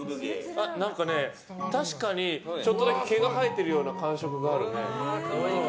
何かね、確かにちょっとだけ毛が生えている感触がある。